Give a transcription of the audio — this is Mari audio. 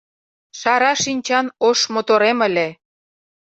Шара шинчан ош моторем ыле